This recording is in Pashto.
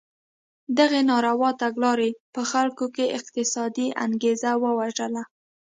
دغې ناروا تګلارې په خلکو کې اقتصادي انګېزه ووژله.